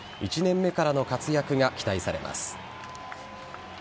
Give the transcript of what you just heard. １年目からの活躍が期待されます。